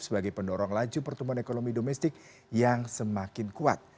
sebagai pendorong laju pertumbuhan ekonomi domestik yang semakin kuat